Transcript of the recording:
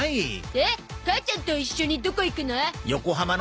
で母ちゃんと一緒にどこ行くの？